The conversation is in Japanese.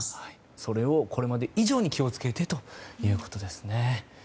それをこれまで以上に気を付けてということですね。